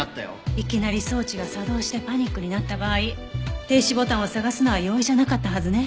いきなり装置が作動してパニックになった場合停止ボタンを探すのは容易じゃなかったはずね。